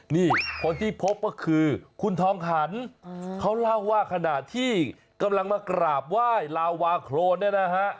นี่คนที่พบก็คือคุณทองขันเขาเล่าว่าขณะที่กำลังมากราบไหว้ลาวาโครนเนี่ยนะฮะ